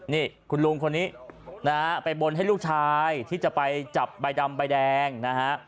นี่คุณลุงคนนี้นะฮะไปบนให้ลูกชายที่จะไปจับใบดำใบแดงนะฮะ